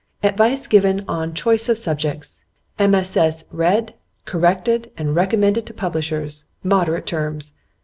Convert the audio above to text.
"Advice given on choice of subjects, MSS. read, corrected, and recommended to publishers. Moderate terms."